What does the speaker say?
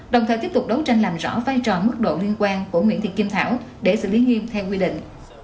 đồng thời tiếp tục đấu tranh làm rõ vai trò mức độ liên quan của nguyễn thị kim thảo để xử lý nghiêm theo quy định